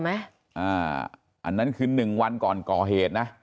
อันนั้นขึ้นหนึ่งวันก่อนก่อเหตุนะ